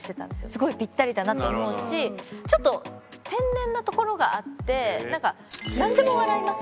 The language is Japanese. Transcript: すごいピッタリだなと思うしちょっと天然なところがあってなんかなんでも笑います